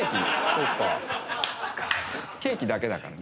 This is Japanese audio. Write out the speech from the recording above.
ケーキだけだからね。